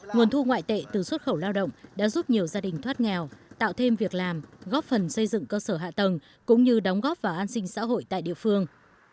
nguồn thu ngoại tệ từ xuất khẩu lao động đã giúp nhiều gia đình thoát nghèo tạo thêm việc làm góp phần xây dựng cơ sở hạ tầng cũng như đóng góp vào an sinh xã hội tại địa phương